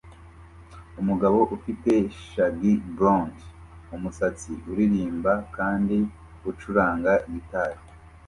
Umugabo ufite shaggy blond-umusatsi uririmba kandi acuranga gitari